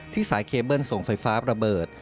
สายเคเบิ้ลส่งไฟฟ้าระเบิด